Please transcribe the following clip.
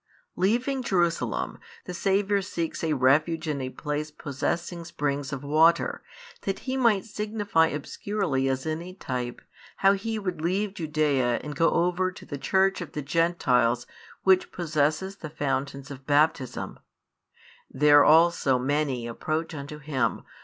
Leaving Jerusalem, the Saviour seeks a refuge in a place possessing springs of water, that He might signify obscurely as in a type how He would leave Judasa and go over to the Church of the Gentiles which possesses the fountains of Baptism: there also many approach unto Him.